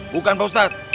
bukan pak ustad